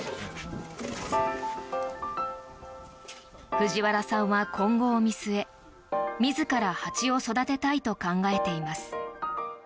藤原さんは今後を見据え自ら蜂を育てたいと考えています。